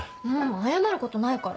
謝ることないから。